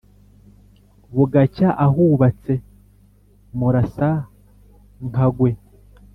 bugacya ahubatse murasa-nkagwe.